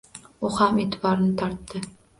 U ham e’tiborini tortgan